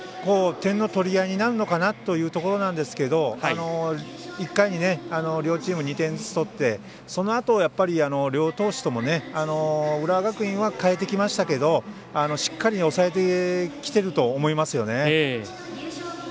点の取り合いになるのかなというところなんですけど１回に両チーム２点ずつ取ってそのあと両投手とも浦和学院は代えてきましたけどしっかり抑えてきていると思いますよね。